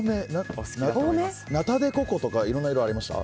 ナタデココとかいろんな色ありました？